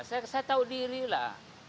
saya tahu diri lah